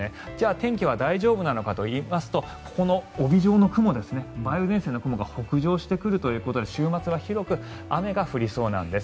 天気は大丈夫なのかといいますとここの帯状の雲、梅雨前線の雲が北上してくるということで週末は広く雨が降りそうなんです。